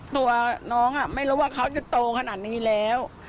ตัวน้องไม่รู้ว่าเขาจะโตขนาดนี้แล้ว